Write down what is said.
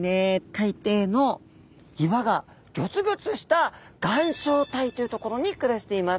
海底の岩がギョつギョつした岩礁帯という所に暮らしています。